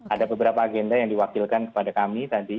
ada beberapa agenda yang diwakilkan kepada kami tadi